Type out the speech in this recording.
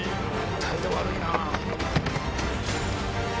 態度悪いなぁ。